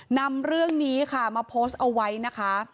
นำเรื่องนี้ค่ะมาโพสต์เอาไว้นะคะ